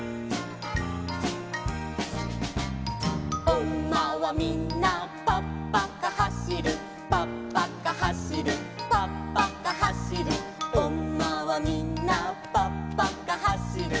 「おんまはみんなぱっぱかはしる」「ぱっぱかはしるぱっぱかはしる」「おんまはみんなぱっぱかはしる」